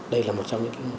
đây là một trong những